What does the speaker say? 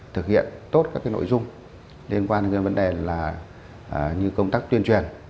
thực hiện tốt các cái nội dung liên quan đến vấn đề là như công tác tuyên truyền